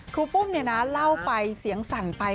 รูปุ้มเนี่ยนะเล่าไปเสียงสั่นไป